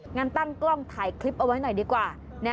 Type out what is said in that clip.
งั้นตั้งกล้องถ่ายคลิปเอาไว้หน่อยดีกว่า